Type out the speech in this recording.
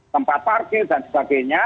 tempat parkir dan sebagainya